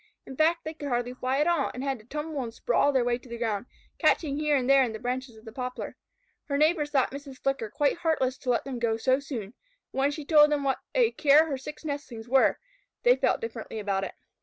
In fact, they could hardly fly at all, and had to tumble and sprawl their way to the ground, catching here and there in the branches of the poplar. Her neighbors thought Mrs. Flicker quite heartless to let them go so soon, but when she told them what a care her six nestlings were, they felt differently about it.